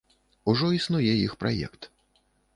Ужо існуе іх праект.